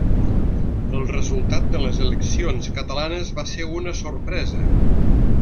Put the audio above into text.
El resultat de les eleccions catalanes va ser una sorpresa.